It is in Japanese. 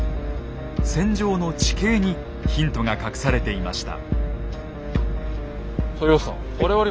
戦場の地形にヒントが隠されていました。